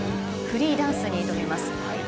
フリーダンスに挑みます。